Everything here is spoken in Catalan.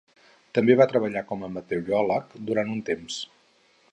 També va treballar com a meteoròleg durant un temps.